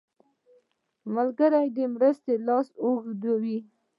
ملګری د مرستې لاس اوږدوي